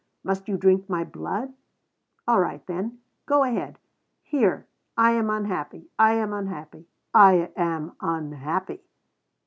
Must you drink my blood? All right, then. Go ahead. Here. I am unhappy, I am unhappy, I am unhappy.